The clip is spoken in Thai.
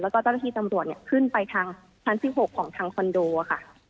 แล้วก็เจ้าหน้าที่จำนวนเนี่ยขึ้นไปทางทางที่๑๖ของทางคอนโดค่ะ